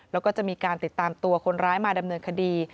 แล้วก็จะมีการติดตามตัวคนร้ายมาดำเนินคดี